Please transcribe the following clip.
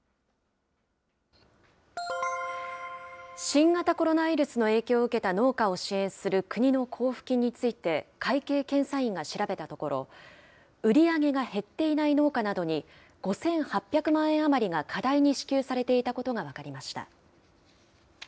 新型コロナウイルスの影響を受けた農家を支援する国の交付金について、会計検査院が調べたところ、売り上げが減っていない農家などに、５８００万円余りが過大に支給されていたことが分かりました。